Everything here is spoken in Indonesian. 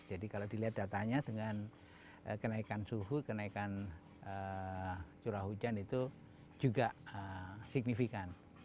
jadi kalau dilihat datanya dengan kenaikan suhu kenaikan curah hujan itu juga signifikan